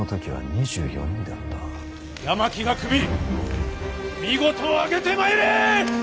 山木が首見事挙げてまいれ！